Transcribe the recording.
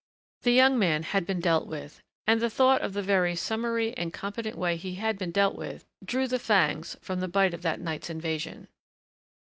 The young man had been dealt with and the thought of the very summary and competent way he had been dealt with drew the fangs from the bite of that night's invasion.